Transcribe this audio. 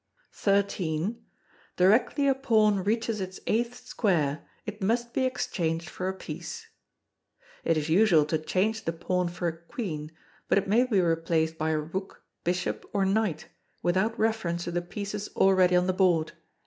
xiii. Directly a pawn reaches its eighth square it must be exchanged for a piece. [It is usual to change the pawn for a Queen, but it may be replaced by a Rook, Bishop, or Knight, without reference to the pieces already on the board.